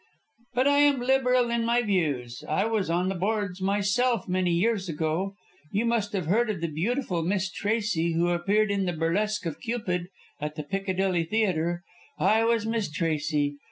But I am liberal in my views I was on the boards myself many years ago. You must have heard of the beautiful Miss Tracey, who appeared in the burlesque of 'Cupid,' at the Piccadilly Theatre I was Miss Tracey.